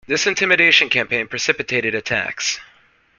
This intimidation campaign precipitated attacks.